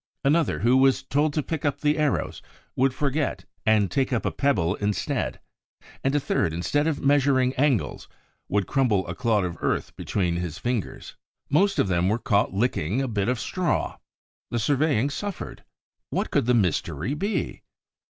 Another, who was told to pick up the arrows, would forget and take up a pebble instead; and a third, instead of measuring angles, would crumble a clod of earth between his fingers. Most of them were caught licking a bit of straw. The surveying suffered. What could the mystery be?